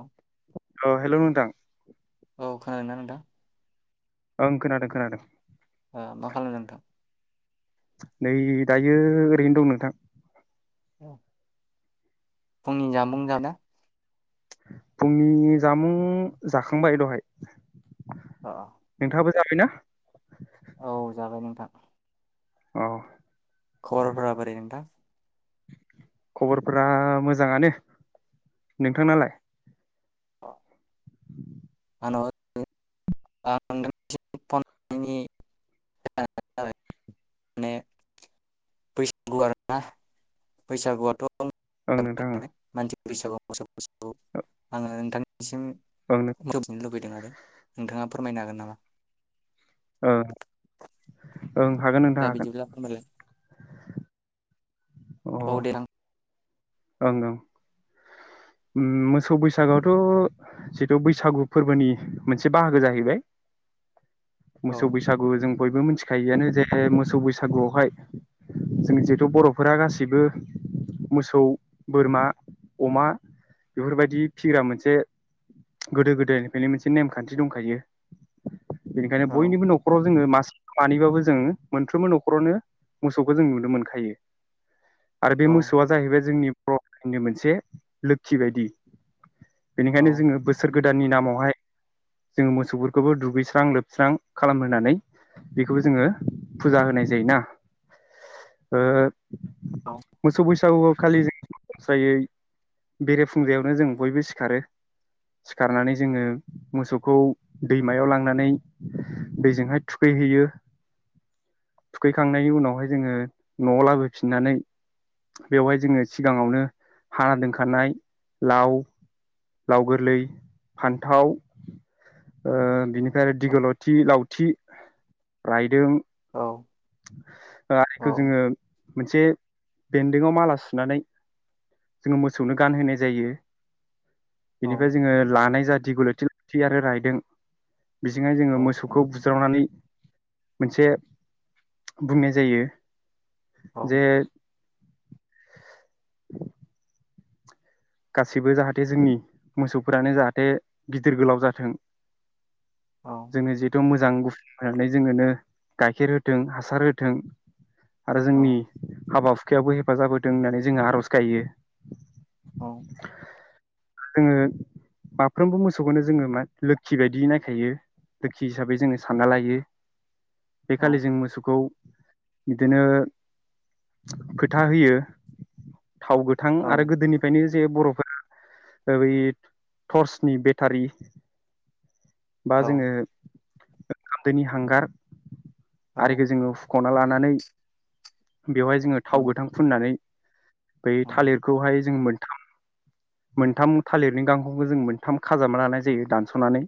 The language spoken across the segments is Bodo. औ औ हेलौ नोंथां। औ खोनादों ना नोंथां? ओं खोनादों खोनादों। ओ मा खालामदो नोंथां? नै दायो ओरैनो दं नोंथां। [unintelligible] फुंनि जामुं जा फुंनि जामुं जाखांबाय दहाय। अ नोंथाङाबो जाबायना? औ जाबाय नोंथां औ खरबारफोरा बोरै नोंथां? खबरफोरा मोजाङानो नोंथांनालाय? अ आनाव [unintelligible] आं नोंथांनिसिम फन हरनि [unintelligible] बैसागु आरोना बैसागुआथ ओं नोंथां ओं नालाय [unintelligible] [unintelligible] आङो नोंथां बिसिम ओं मिथिनो लुबैदों आरो। नोंथाङा फोरमायनो हागोन नामा? ओ दे बिदिब्ला फोरमायलाय। अ औ दे आं ओं ओं मोसौ बैसागोआवथ' जिथु बैसागु फोरबोनि मोनसे बाहागो जाहैबाय मोसौ औ बैसागु जों बयबो मिथिखायोआनो जे मोसौ बैसागुआवहाय जों जिहेथु बर'फोरा गासिबो मोसौ बोरमा अमा बेफोरबायदि फिग्रा मोनसे गोदो गोदायनिफ्रायनो मोनसे नेमखान्थि दंखायो बेनिखायनो औ बयनिबो न'खराव जोङो मा मानैबाबो जों मोनफ्रोमबो न'खरावनो मोसौखौ जों नुनो मोनखायो। आरो बे औ मोसौआ जाहैबायजोंनि बर'नि मोनसे लोक्षि बायदि बेनिखायनो औ जोङो बोसोर गोदाननि नामाव बेहाय जोंङो मोसौफोरखौबो दुगैस्रां लोबस्रां खालामहोनानै बेखौबो जोङो फुजा होनाय जायोना। ओ औ मोसौ बैसागुआव खालि जों फ्रायै बेरेफुंजायावनो जों बयबो सिखारो। सिखारनानै जोङो मोसौखौ दैमायाव लांनानै दैजोंहाय थुखैहैयो। थुखैखांनायनि उनावहाय जोङो न'आव लाबोफिननानै बेवहाय जोङो सिगाङावनो हाना दोनखानाय लाव लाव गोरलै फान्थाव ओ बिनि ओमफ्राय आरो औ दिगलथि लावथि राइदों औ आइखौ जोङो मोनसे बेन्दोंआव माला सुनानै जोङो मोसौनो गानहोनाय जायो। औ बेनिफ्राय जोङो लानाय जा दिगलथि आरो रायदों बिजोंहाय औ जोङो मोसौखौ बुज्रावनानै मोनसे बुंनाय जायो। जे [inaudible] गासैबो जाहाथे जोंनि मोसौफोरानो जाहाथे गिदिर गोलाव जाथों। जोंनो जिहेथु मोजां गु होनानै जोंनोनो गाइखेर होथों हासार होथों। आरो जोंनि हाबा हुखायावबो हे फाजाब होथों होननानै जोङो आर'ज गायो। औ जोङो माफ्रोमबो मोसौखौनो जोङो मा लोखि बायदि नायखायो, लोखि हिसाबै जोङो सानना लायो। बे औ खालि जों मोसौखौ बिदिनो फोथा होयो। थाव गोथां औ आरो गोदोनिफ्रायनो जे बर'फोर [inaudible] ओ बै टर्सनि बेटारि बा औ जोङो ओंखाम दोनि हां हांगार आरो औ एखौ जोङो फु ख'ना लानानै बेवहाय जोङो थाव उम गोथां फुननानै बै औ थालिरखौहाय जों मोन थाम मोनथाम थालिरनि गांखंखौ जोङो मोनथाम खाजाबना लानाय जायो दानस'नानै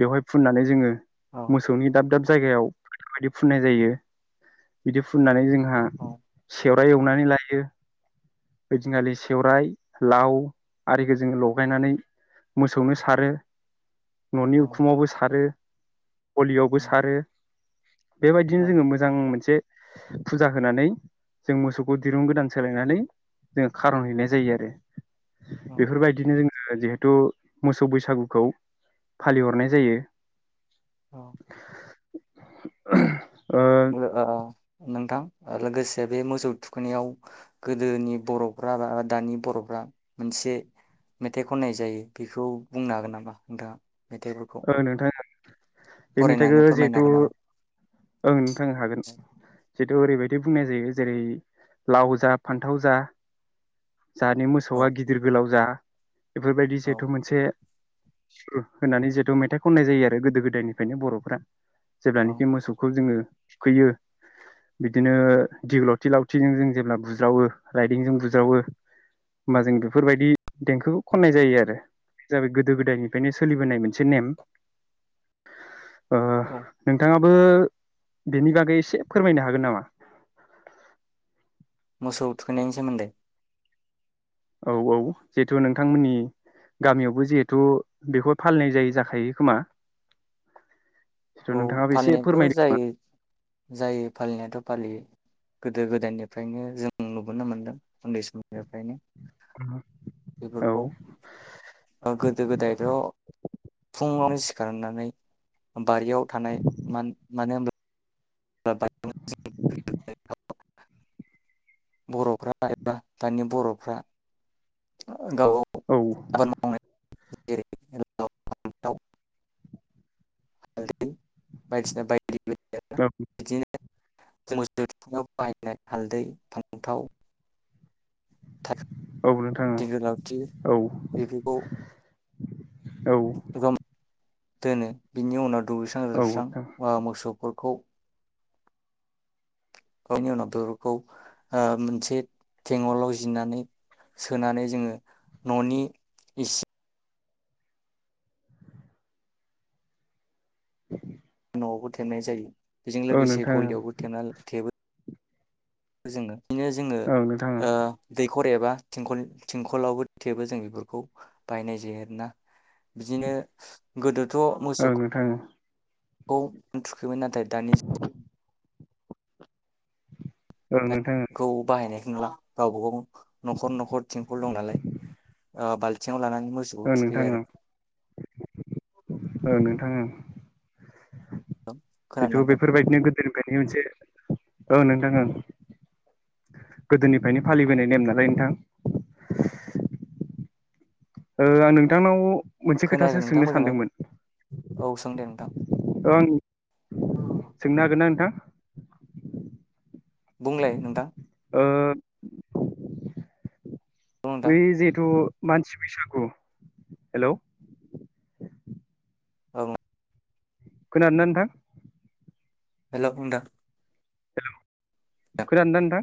बेवहाय फुननानै जोङो। औ मोसौनि दाब दाब जायगायाव बेफोरबायदि फुननाय जायो। बिदि फुननानै जों हा औ सेवद फ्राय एवनानै लायो, ओइ दिनखालि सेवराइ, लाव आरिखौ जोङो लगायनानै मोसौनो सारो। औ न'नि उखुमावबो सारो। गलियावबो सारो। बेबायदिनो औ जोङो मोजां मोनसे फुजा होनानै जों मोसौखौ दिरुं गोदान सोलायनानै जों खारन हैैनाय जायो आरो। औ बेफोरबायदिनो जों जिहेथु मोसौ बैसागुखौ फालिहरनाय जायो औ ओ हेलो ओ नोंथां लोगोसे बे मोसौ थुखैनायाव गोदोनि बर'फ्रा रा दानि बर'फ्रा मोनसे मेथाइ खननाय जायो बेखौ बुंनो हागोन नामा नोंथाङा मेथाइफोरखौ ओ नोंथां बे मेथाइखो फरायनानै फोरमायनो जिहेथु हागोन नामा ओं नोंथां हागोन जिथु ओरैबायदि बुंनाय जायो जेरै लाव जा फान्थाव जा जाहानि औ मोसौआ गिदिर गोलाव जा बेफोरबायदि औ जिहेतु मोनसे सुरुत होनानै जे हेतु मेथाइ खननाय जायो आरो गोदो गोदायनिफ्रायनो बर'फ्रा औ जेब्लानोखि मोसौखौ जोंङो थुखैयो बिदिनो दिग लावथि-लावथिजों जों जेब्ला बुज्रावो राइदिंजों बुज्रावो होमबा जों बेफोरबायदि देंखोखौ औ खननाय जायो आरो जाबाय गोदो गोदायनिफ्रायनो सोलिबोनाय मोन से नेम ओ औ नोंथाङा बो बेनि बागै एसे फोरमायनो हागोन नामा। मोसौ थुखैनायनि सोमोन्दै औ औ जिहेतु नोंथांमोननि गामियावबो जिहेथु बेखौ फालिनाय जायो जाखायो खोमा जिथु औ नोंथाङाबो एसे फालिनायाथ' फोरमायदो खोमा जायो जायो फालिनायाथ फालियो गोदो-गोदायनिफ्रायनो जों नुबोनो मोनदों उन्दै समनिफ्रायनो खोमा बेफोरखौ औ गोदो गोदायथ फुङावनो सिखारनानै बारियाव थानाय मान मानो होनब्ला [unintelligible] बर'फ्रा एबा दानि बर'फ्रा गावबा औ गाव [unintelligible] हालदै बायदिसिना बायदि-बायदि बिदिनो जों मोसौफोरनाव बाहायनाय हालदै फांन्थाव औ नोंथां ओ बेदिखौ औ दोनो बिनि उनाव दुगैस्रां जोबस्रां बा मोसौफोरखौ बेनि उनाव बेफोरखौ मोनसे टेंगलाव जिनानै सोनानै जोंङो न'नि इसिं नआवबो थेननाय जायो। बेजों औ लोगोसे नोंथां गलियावबो थेबना थेबो जोङो बिदिनो जोंङो औ नोंथां ओ दैखर एबा थिंखल-थिंखलावबो थेबो जों बेफोरखौ बायनाय जायो आरोना बिदिनो गोदो थ औ मोसौखौ नोंथां खौ थुखैमोन नाथाय दानि ओं नोंथां ओ। ं [inaudible] ला गावबा गाव नखर नखर थिंखल दं नालाय ओ बालथिंआव लानानै मोसौखौ औ नोंथां औ थुखैयो आरो। ओ नोंथां ओं। खोनादों ना जिथु नोंथां बेफोरबायदिनो गोदो बेनि मोनसे औ नोंथां ओं गोदोनिफ्रायनो फालिबोनाय नेम नालाय नोंथां। ओ आं नोंथांनाव मोनसे खोनायाखै खोथासो नोंथां सोंनो सानदोंमोन। दा औ आं सोंनो हागोनना नोंथां? बुंलाय नोंथां। ओ औ नोंथां बै जिहेथु मानसि बैसागु हेल। ओं। खोनादों ना नोंथां? हेल बुंदा [inaudible] खोनादों ना नोंथां?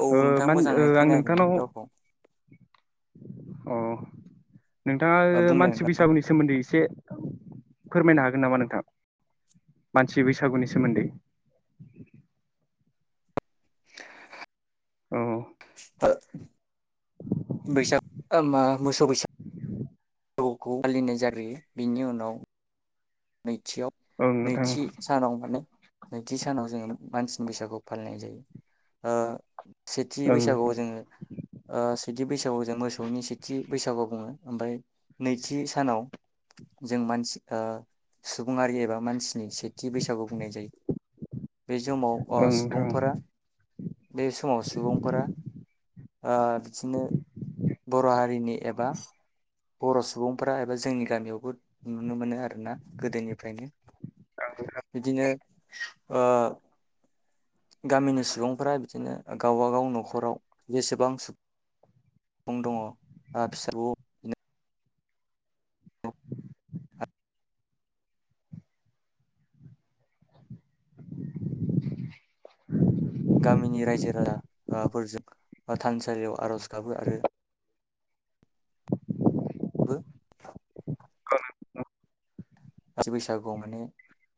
औ ओ नोंथाङा मोजाङै खोनायाखै नों रावखौ। औ। नोंथाङा बुंलाय मानसि बैसागुनि सोमोन्दै एसे औ‌ फोरमायनो हागोन नामा नोंथां मानसि बैसागुनि सोमोन्दै। औ आ बैसाग ओ मा मोसौ बैसाग फोर [inaudible] खौ फालिनाय जाग्रोयो बिनि उनाव नैथियाव ओं नोंथां नैथि सानाव माने नैथि सानाव जोङो मानसिनि बैसागुखौ फालिनाय जायो ओ। सेथि ओं बैसागुआव ओं जोङो ओ सेथि बैसागुआव जों मोसौनि सेथि बैसागु बुङो ओमफ्राय नैथि सानाव जों मानसि ओ सुबुङारि एबा मानसिनि सेथि बैसागु बुंनाय जायो बे समाव अ नोंथां ओं गोदोनिफ्रायनो नोंथां बिदिनो ओ गामिनि सुबुंफोरा बिदिनो गावबागाव नखराव जेसेबां स सुबुं दङ फिसाखौ [inaudible] बिदिनो गामिनि रायजो राजाफोरजों थानसालियाव आर'ज गाबो आरो बो बैसागुआव माने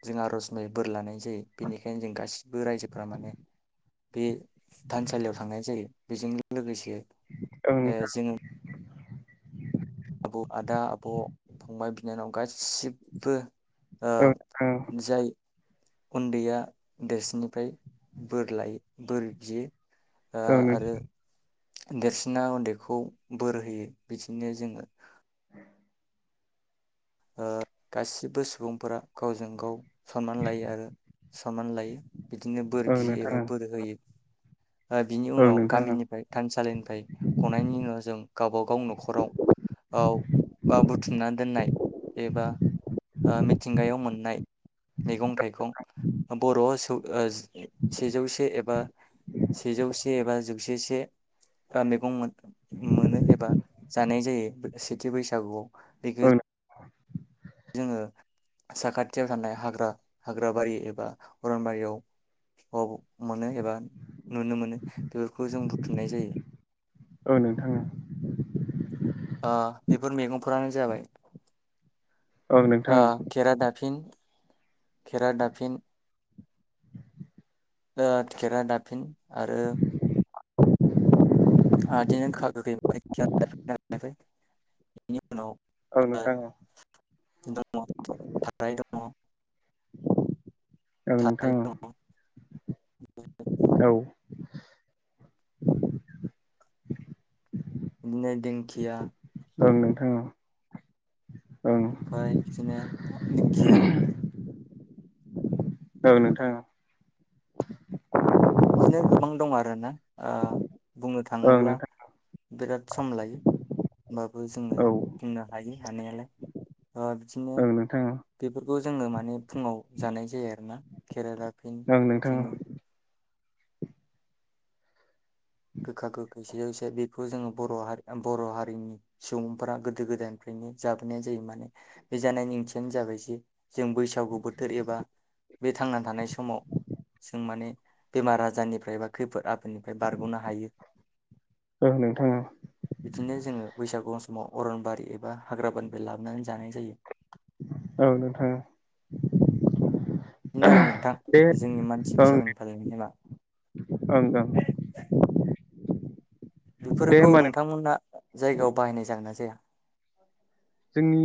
जों आर'ज म बोर लानाय जायो बेनिखायनो जों गासिबो रायजोफ माने बे थानसालियाव थांनाय जायो बेजों लोगोसे ओ जोङो आब' आदा आब' फंबाय बिनानाव गासिबो। ओ ओं जाय उन्दैया देरसिननिफ्राय बोर लायो बोर बियो ओ ओं नोंथां आरो देरसिना उन्दैखौ बोर होयो बिदिनो जोङो गासिबो सुबुंफोरा गावजों गाव सनमान लायो आरो सनमान लायो बिदिनो। बोर ओं बियो एबा नोंथां बोर होयो। बिनि ओं नोंथां ओं उनाव नोंथां गामिनिफ्राय थानसालिनिफ्राय। नाथाय गनायनि उनाव जों गावबागाव न'खराव बा बुथुमनानै दोननाय। एबा मिथिंगायाव मोननाय मैगं थाइगं बर'आव सेजौसे एबा सेजौसे एबा जौसेसे मैगं मोनो एबा जानाय जायो सेथि बैसागुआव। जोङो साखाथियाव थानाय हाग्रा हाग्राबारि एबा अरनबारियाव मोनो एबा नुनो मोनो बेफोरखौ जों बुथुमनाय जायो। औ नोंथाङा। बेफोर मैगंफोरानो जाबाय। ओं अ नोंथां खेरा दाफिन। खेरादाफिन। ओ केरादाफिन आरो। आ [unintelligible] औ नोंथां औ। औ। औ नोंथां औ। [unintelligible] औ। बिनो दिनखिया। औं नोंथां औ। ओफाय बिदिनो। दिंखिया। औ नोंथां। बिदिनो गोबां दं आरोना। बुंनो ओं थाङोब्ला। नोंथां बिराद सम लायो हबाबो जोङो औ बुंनो हायो हानायालाय बिदिनो ओं नोंथां बेफोरखौ जोङो माने फुङाव जानाय जायो आरोना केरेला। फिन ओं नोंथां बिदिनो। गोखा गोखै स जसे बेखौ जोङो बर' हारि बर' हारिनि सुबुंफ्रा गोदो गोदायनिफ्रायनो जाबोनाय जायो माने बे जानायनि ओंथियानो जाबाय जे जों बैसागु बोथोर एबा बे थांना थानाय समाव जों माने बेमार आजारनिफ्राय बा खैफोद आफोदनिफ्राय बारग'नो हायो। हायो ओं बिदिनो जोङो बैसागु समाव अरनबारि एबा हाग्राबारिनिफ्राय लाबोनानै जानाय जायो। औ नोंथां औ। [unintelligible] बे [unintelligible] जोंनि मानसि ओं बैसागुनि [unintelligible] ओं ओं। बेफोरखौ होमबा नों नोंथांमोना। जायगायाव बाहायनाय जागोन ना जाया। जोंनि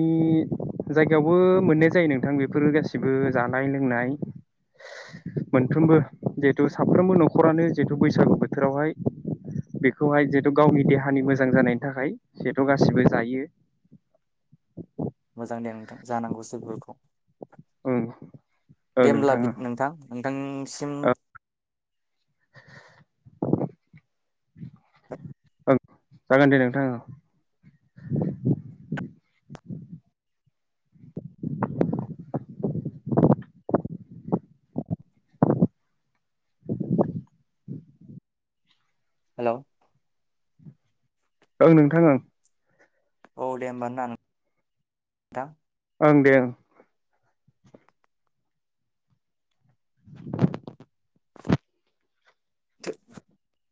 जायगायावबो मोननाय जायो नोंथां बेफोरो गाैबो जानाय लोंनाय मोनफ्रोमबो जिहेथु साफ्रोमबो नखरानो जेहेतु बैसागु बोथोरावहाय बेखौहाय जिहेतु गावनि देहानि मोजां जानायनि थाखाय जिहेथु गाैबो जायो। मोजां दे नोंथां जानांगौ सोबोरखौ। ओं ओं दे होमब्ला नोंथां नोंथां नोंथां। सिम। ओं ओं [inaudible] जागोन दे नोंथां अ। हेलौ ओं नोंथां ओं। औ दे होमबा ना नोंथां। ओं दे ओं। [inaudible] [inaudible]